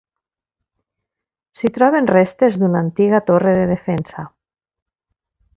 S'hi troben restes d’una antiga torre de defensa.